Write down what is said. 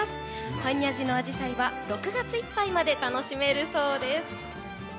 般若寺のアジサイは６月いっぱいまで楽しめるそうです。